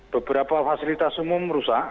beberapa fasilitas umum rusak